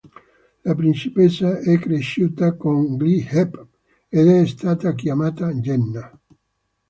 La principessa è cresciuta con gli Heap, ed è stata chiamata Jenna.